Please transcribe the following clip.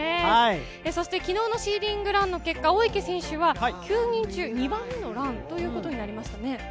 昨日のシーディングランの結果、大池選手は９人中２番目のランということになりましたね。